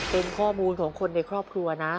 เป็นข้อมูลของคนในครอบครัวนะ